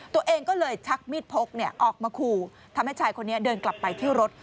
ตัวเองก็เลยชักมีดพกออกมาขู่ทำให้ชายคนนี้เดินกลับไปที่รถ